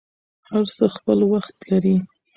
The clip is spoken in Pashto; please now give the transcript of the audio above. هر څه خپل وخت لري.